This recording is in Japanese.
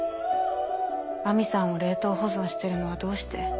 亜美さんを冷凍保存してるのはどうして？